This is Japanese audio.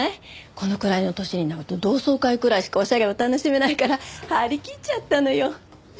このくらいの年になると同窓会くらいしかおしゃれを楽しめないから張り切っちゃったのよ。